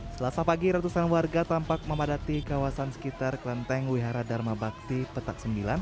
selasa pagi ratusan warga tampak memadati kawasan sekitar kelenteng wihara dharma bakti petak sembilan